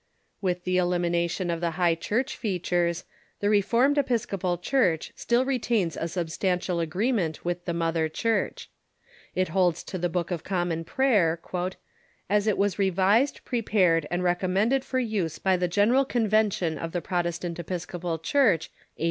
With the elimination of the High Church features, the Re formed Episcopal Church still retains a substantial agreement with the mother Church. It holds to the Book of Common Prayer "as it was revised, prepared, and recommended for use by the General Convention of the Protestant Episcopal Church, A.